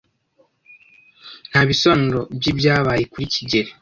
Nta bisobanuro byibyabaye kuri kigeli.